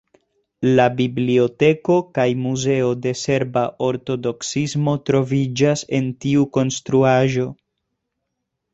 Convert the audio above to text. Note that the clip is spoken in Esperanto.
La biblioteko kaj muzeo de serba ortodoksismo troviĝas en tiu konstruaĵo.